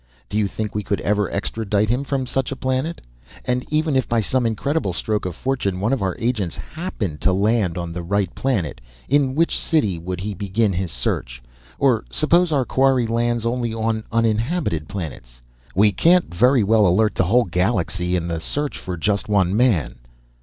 Do you think we could ever extradite him from such a planet? And even if by some incredible stroke of fortune one of our agents happened to land on the right planet, in which city would he begin his search. Or suppose our quarry lands only on uninhabited planets? We can't very well alert the whole galaxy in the search for just one man."